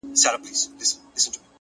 هوډ د ستونزو سیوري کموي!.